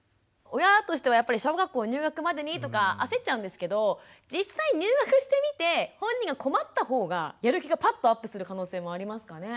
親としてはやっぱり小学校入学までにとか焦っちゃうんですけど実際入学してみて本人が困ったほうがやる気がパッとアップする可能性もありますかね？